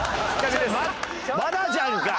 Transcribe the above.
まだじゃんか！